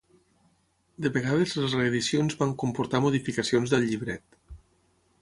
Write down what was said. De vegades les reedicions van comportar modificacions del llibret.